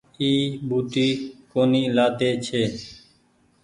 اي ٻوٽي ڪونيٚ لآۮي ڇي